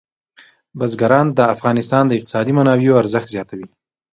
بزګان د افغانستان د اقتصادي منابعو ارزښت زیاتوي.